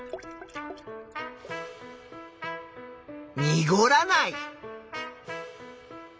にごらない。